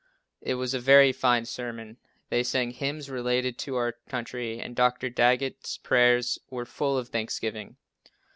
It was a very fine sermon. They sang hymns relating to our country and Dr. Daggett's prayers were full of thanksgiving.